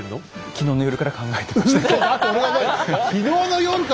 昨日の夜から考えてたのか！